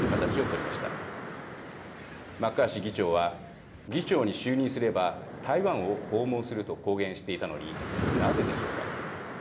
マッカーシー議長は議長に就任すれば「台湾を訪問する」と公言していたのになぜでしょうか。